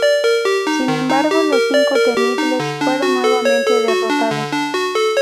Sin embargo, Los Cinco Temibles fueron nuevamente derrotados.